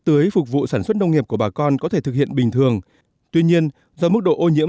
tưới phục vụ sản xuất nông nghiệp của bà con có thể thực hiện bình thường tuy nhiên do mức độ ô nhiễm